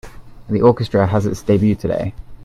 The orchestra has its debut today.